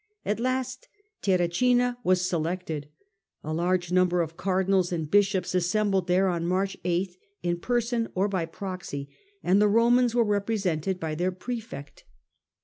At last Terracina was selected. A large number of cardinals and bishops assembled there on March 8 in person or by proxy, and the Romans were represented by their prefect.